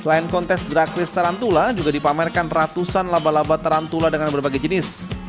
selain kontes dragris tarantula juga dipamerkan ratusan laba laba tarantula dengan berbagai jenis